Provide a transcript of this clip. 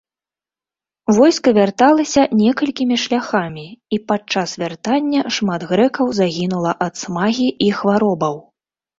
Войска вярталася некалькімі шляхамі, і падчас вяртання шмат грэкаў загінула ад смагі і хваробаў.